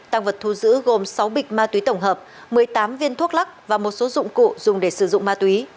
tăng vật thu giữ gồm sáu bịch ma túy tổng hợp một mươi tám viên thuốc lắc và một số dụng cụ dùng để sử dụng ma túy